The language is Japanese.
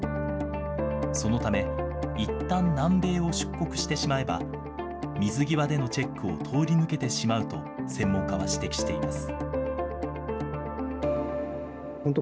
そのため、いったん南米を出国してしまえば、水際でのチェックを通り抜けてしまうと専門家は指摘しています。